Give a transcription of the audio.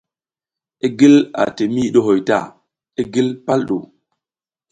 I gil ati miyi ɗuhoy ta, i gil pal ɗu.